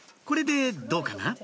これでどうかな？